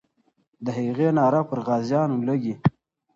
د هغې ناره پر غازیانو لګي.